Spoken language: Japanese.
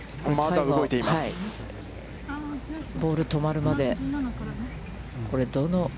ボールが止まるまで、これ。